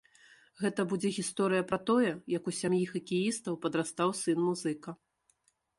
Гэта будзе гісторыя пра тое, як у сям'і хакеістаў падрастаў сын-музыка.